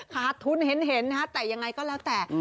ขาดทุนเห็นนะครับแต่เอาอย่างไรก็แล้วแต่